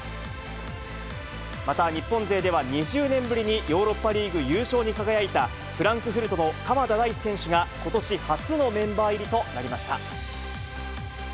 また日本勢では２０年ぶりにヨーロッパリーグ優勝に輝いた、フランクフルトの鎌田大地選手がことし初のメンバー入りとなりました。